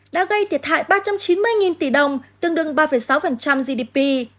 đã gây thiệt hại ba trăm chín mươi tỷ đồng tương đương ba sáu gdp